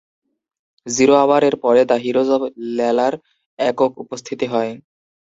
"Zero hour" এর পরে "the heroes of ল্যালার" একক উপস্থিতি হয়।